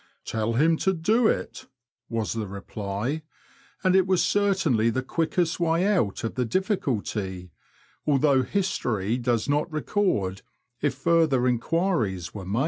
Tell him to do it," was the reply, and it was certainly the quickest way out of the difficulty, although history does not record if further enquiries were made.